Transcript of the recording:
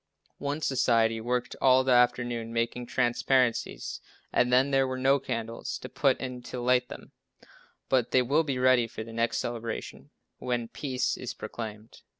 One society worked hard all the afternoon making transparencies and then there were no candles to put in to light them, but they will be ready for the next celebration when peace is proclaimed.